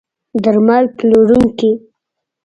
درمل پلورونکي